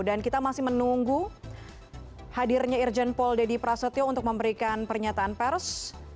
dan kita masih menunggu hadirnya irjen pol deddy prasetyo untuk memberikan pernyataan pers